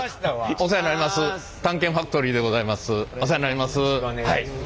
お世話になります。